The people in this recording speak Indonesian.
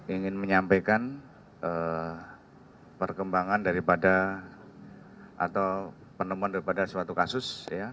ingin menyampaikan perkembangan daripada atau penemuan daripada suatu kasus